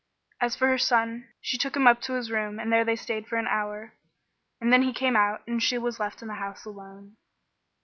As for her son, she took him up to his room and there they stayed for an hour, and then he came out and she was left in the house alone.